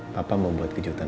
papa membuat kejutan